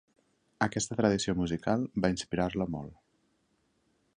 Aquesta tradició musical va inspirar-lo molt.